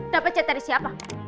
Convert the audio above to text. dapet chat dari siapa